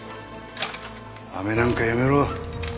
あめなんかやめろ。